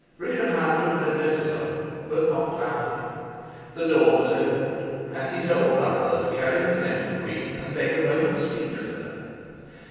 Rischenheim took no notice of him, but knocked loudly. The door was opened, and he told the butler to carry his name to the queen and beg a moment's speech with her.